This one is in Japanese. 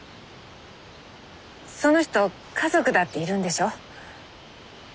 その人家族だっているんでしょう？